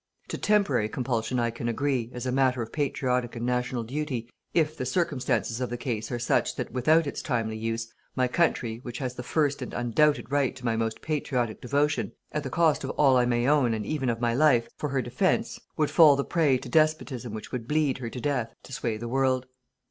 To temporary compulsion I can agree, as a matter of patriotic and national duty, if the circumstances of the case are such that without its timely use, my country which has the first and undoubted right to my most patriotic devotion, at the cost of all I may own and even of my life, for her defence, would fall the prey to despotism which would bleed her to death to sway the world.